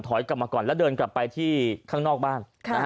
กลับมาก่อนแล้วเดินกลับไปที่ข้างนอกบ้าน